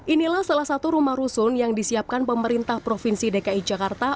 inilah salah satu rumah rusun yang disiapkan pemerintah provinsi dki jakarta